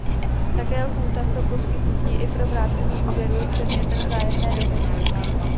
Také lhůta pro poskytnutí i pro vrácení úvěru je předmětem vzájemné dohody.